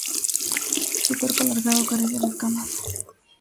Su cuerpo, alargado, carece de escamas.